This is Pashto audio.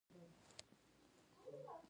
ښارونه د افغانانو د فرهنګي پیژندنې برخه ده.